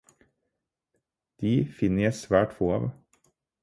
De finner jeg svært få av.